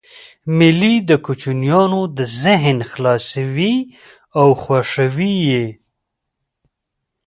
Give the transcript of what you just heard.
مېلې د کوچنيانو ذهن خلاصوي او خوښوي یې.